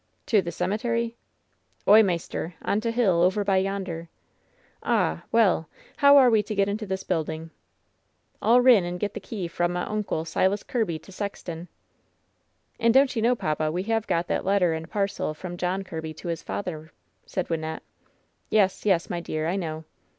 *' "To the cemetery ?'' "Oy, maister, on t' hill, over by yonder." "Ah ! well ! how are we to get into this building?" "I'll rin and get the key f ra' m' oncle, Silas Kirby, i sexton." "And don't you know, papa, we have got that letter and parcel from John Kirby to his father ?" said Wyn nette. "Yes, yes, my dear, I know."